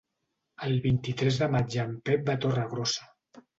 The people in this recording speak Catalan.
El vint-i-tres de maig en Pep va a Torregrossa.